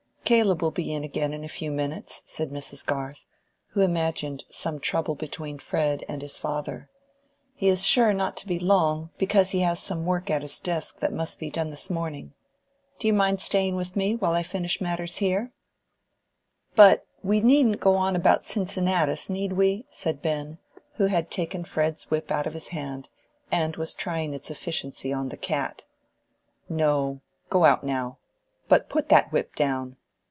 "Caleb will be in again in a few minutes," said Mrs. Garth, who imagined some trouble between Fred and his father. "He is sure not to be long, because he has some work at his desk that must be done this morning. Do you mind staying with me, while I finish my matters here?" "But we needn't go on about Cincinnatus, need we?" said Ben, who had taken Fred's whip out of his hand, and was trying its efficiency on the cat. "No, go out now. But put that whip down.